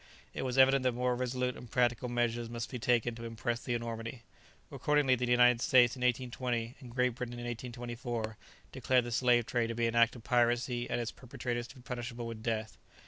It was evident that more resolute and practical measures must be taken to impress the enormity. Accordingly the United States in 1820, and Great Britain in 1824, declared the slave trade to be an act of piracy and its perpetrators to be punishable with death.